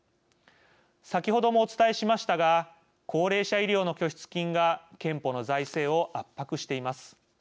先ほどもお伝えしましたが高齢者医療の拠出金が健保の財政を圧迫しています。